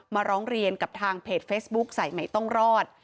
ร้องเรียนกับทางเพจเฟซบุ๊คสายใหม่ต้องรอด